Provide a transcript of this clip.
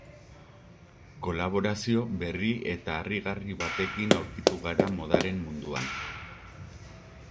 Kolaborazio berri eta harrigarri batekin aurkitu gara modaren munduan.